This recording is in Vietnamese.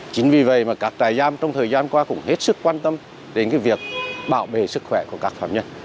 chính vì vậy mà các trại giam trong thời gian qua cũng hết sức quan tâm đến việc bảo vệ sức khỏe của các phạm nhân